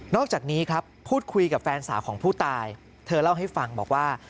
อกจากนี้ครับพูดคุยกับแฟนสาวของผู้ตายเธอเล่าให้ฟังบอกว่า